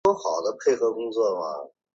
岗包传统服饰的一部分。